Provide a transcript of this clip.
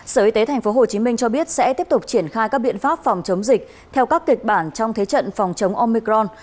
sở y tế tp hcm cho biết sẽ tiếp tục triển khai các biện pháp phòng chống dịch theo các kịch bản trong thế trận phòng chống omicron